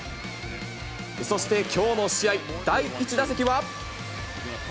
そしてきょうの試合、第１打席は。